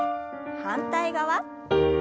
反対側。